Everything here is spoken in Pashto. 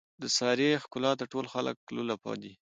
د سارې ښکلاته ټول خلک لولپه دي.